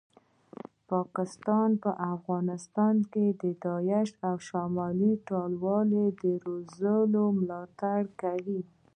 پاکستان په افغانستان کې داعش او شمالي ټلوالي روزي او ملاټړ یې کوي